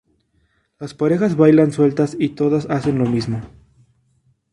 Las parejas bailan sueltas y todas hacen lo mismo.